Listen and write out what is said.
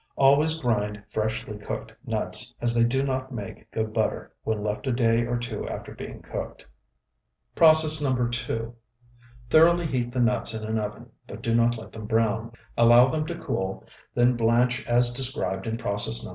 Always grind freshly cooked nuts, as they do not make good butter when left a day or two after being cooked. PROCESS NO. 2 Thoroughly heat the nuts in an oven, but do not let them brown. Allow them to cool, then blanch as described in process No.